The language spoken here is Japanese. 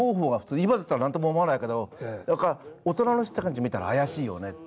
今だったら何とも思わないけど何か大人の知った感じで見たらあやしいよねって。